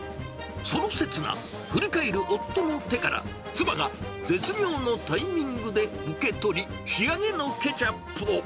その刹那、振り返る夫の手から、妻が絶妙のタイミングで受け取り、仕上げのケチャップを。